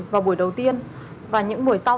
vào buổi đầu tiên và những buổi sau